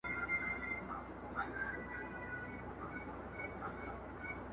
خوري چي روزي خپله ,